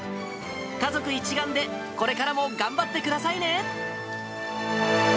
家族一丸で、これからも頑張ってくださいね。